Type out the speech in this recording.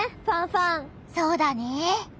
そうだね。